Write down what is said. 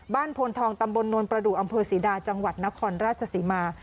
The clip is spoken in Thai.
พลทองตำบลนวลประดูกอำเภอศรีดาจังหวัดนครราชศรีมา